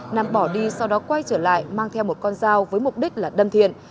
nam bỏ đi sau đó quay trở lại mang theo một con dao với mục đích là đâm thiện